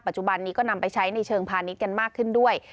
จุบันนี้ก็นำไปใช้ในเชิงพาณิชย์กันมากขึ้นด้วย